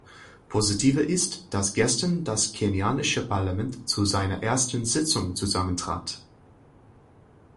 Positiver ist, dass gestern das kenianische Parlament zu seiner ersten Sitzung zusammentrat.